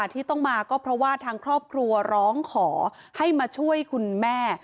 ที่ต้องมาก็เพราะว่าทางครอบครัวร้องขอให้มาช่วยคุณแม่